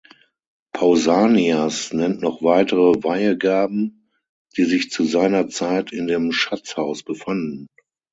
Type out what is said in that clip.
Pausanias nennt noch weitere Weihegaben, die sich zu seiner Zeit in dem Schatzhaus befanden.